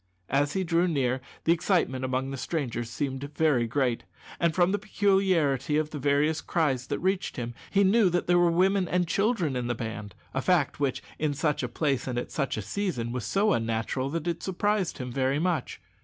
As he drew near the excitement among the strangers seemed very great, and, from the peculiarity of the various cries that reached him, he knew that there were women and children in the band a fact which, in such a place and at such a season, was so unnatural that it surprised him very much.